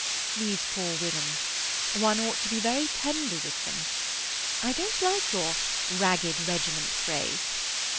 These poor women—one ought to be very tender with them. I don't like your "ragged regiment" phrase.